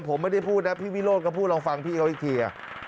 ผมไม่ได้พูดนะพี่วิโรธก็พูดลองฟังพี่เขาอีกที